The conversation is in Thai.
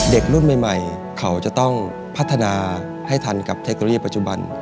เด็กรุ่นใหม่เขาจะต้องพัฒนาให้ทันกับเทคโนโลยีปัจจุบัน